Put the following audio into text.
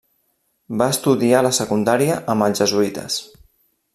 Va estudiar la secundària amb els jesuïtes.